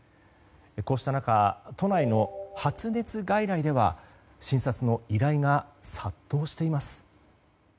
こうした中、都内の発熱外来では診察の依頼が殺到しています。